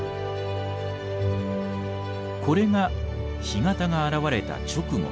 これが干潟が現れた直後。